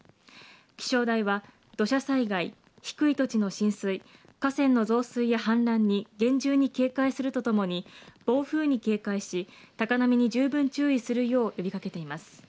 気象台は土砂災害、低い土地の浸水、河川の増水や氾濫に厳重に警戒するとともに暴風に警戒し高波に十分、注意するよう呼びかけています。